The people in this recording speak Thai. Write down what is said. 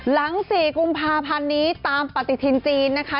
หลัง๔กุมภาพันธ์นี้ตามปฏิทินจีนนะคะ